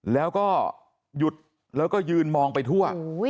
แล้วก็หยุดแล้วก็ยืนมองไปทั่ว